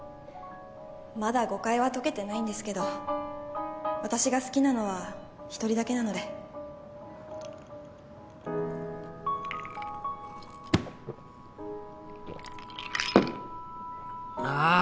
まだ誤解は解けてないんですけど私が好きなのは１人だけなのでああ